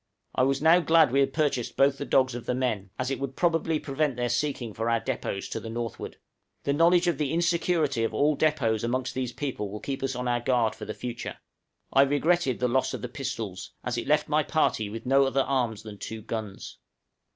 I was now glad we had purchased both the dogs of the men, as it would probably prevent their seeking for our depôts to the northward; the knowledge of the insecurity of all depôts amongst these people will keep us on our guard for the future. I regretted the loss of the pistols, as it left my party with no other arms than two guns.